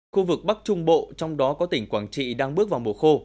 khu vực bắc trung bộ trong đó có tỉnh quảng trị đang bước vào mùa khô